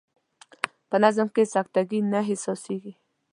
په نظم کې سکته ګي نه احساسیږي.